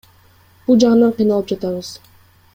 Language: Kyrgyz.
Бул жагынан кыйналып жатабыз.